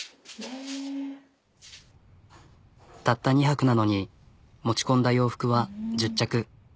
たった２泊なのに持ち込んだ洋服は１０着。